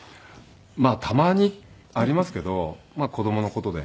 まあたまにありますけど子供の事で。